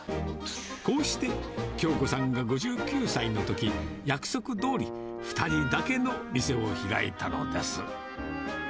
こうして京子さんが５９歳のとき、約束どおり、２人だけの店を開いたのです。